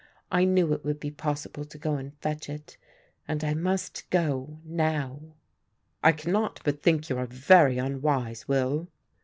I knew it would be possible to go and fetch it and I must go now." "I cannot but think you are very unwise, Will."